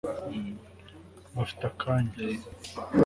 bafite akanya